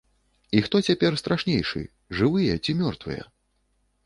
І хто цяпер страшнейшы, жывыя ці мёртвыя?